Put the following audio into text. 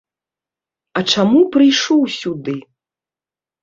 А чаму прыйшоў сюды?